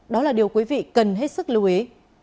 đó là điều quý vị cần hết sức lưu ý